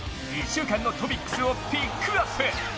１週間のトピックスをピックアップ。